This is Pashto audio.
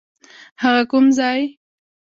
هغه کوم ځای؟